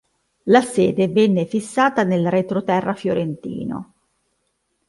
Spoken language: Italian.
La sede venne fissata nel retroterra fiorentino.